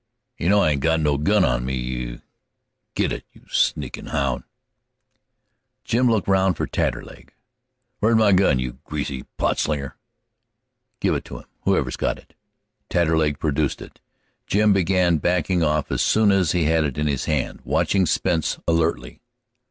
"You know I ain't got a gun on me, you " "Git it, you sneakin' houn'!" Jim looked round for Taterleg. "Where's my gun? you greasy potslinger!" "Give it to him, whoever's got it." Taterleg produced it. Jim began backing off as soon as he had it in his hand, watching Spence alertly.